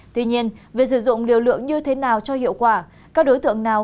tuy nhiên việc sử dụng liều lượng như thế nào cho hiệu quả các đối tượng nào